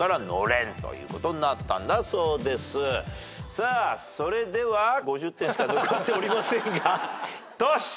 さあそれでは５０点しか残っておりませんがトシ。